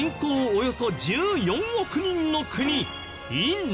およそ１４億人の国インド。